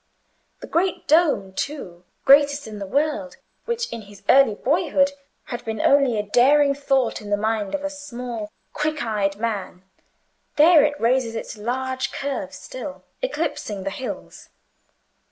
The great dome, too, greatest in the world, which, in his early boyhood, had been only a daring thought in the mind of a small, quick eyed man—there it raises its large curves still, eclipsing the hills.